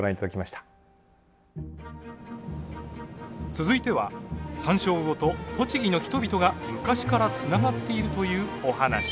続いてはサンショウウオと栃木の人々が昔からつながっているというお話。